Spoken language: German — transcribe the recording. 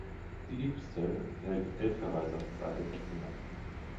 Die Epistel enthält elf Verweise auf das Alte Testament.